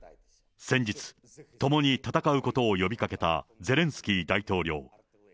先日、共に戦うことを呼びかけたゼレンスキー大統領。